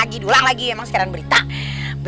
aku akan menganggap